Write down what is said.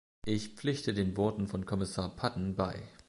Ich pflichte den Worten von Kommissar Patten bei.